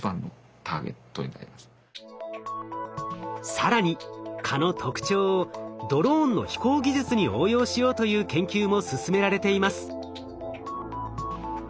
更に蚊の特徴をドローンの飛行技術に応用しようという研究も進められています。